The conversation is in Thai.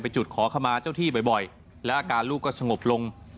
จุดขอขมาเจ้าที่บ่อยแล้วอาการลูกก็สงบลง